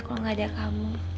kalau gak ada kamu